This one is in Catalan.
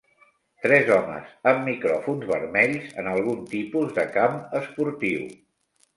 Tres homes amb micròfons vermells en algun tipus de camp esportiu.